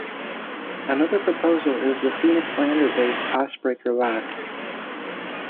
Another proposal is the Phoenix lander-based Icebreaker Life.